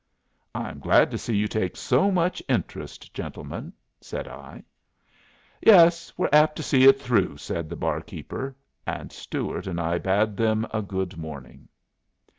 "I'm glad to see you take so much interest, gentlemen," said I. "Yes, we're apt to see it through," said the barkeeper. And Stuart and I bade them a good morning.